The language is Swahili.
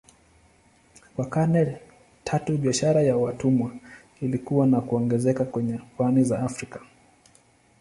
Kwa karne tatu biashara ya watumwa ilikua na kuongezeka kwenye pwani za Afrika.